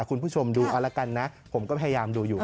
คุณผู้ชมดูเอาละกันนะผมก็พยายามดูอยู่